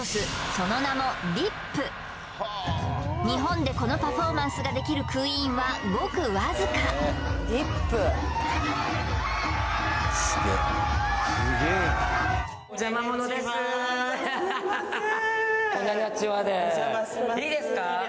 その名もＤｉｐ日本でこのパフォーマンスができるクイーンはごくわずかすいませんいいですか